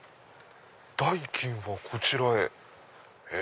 「代金はこちらへ」。